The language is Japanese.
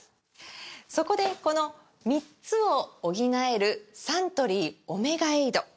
そこでこの３つを補えるサントリー「オメガエイド」！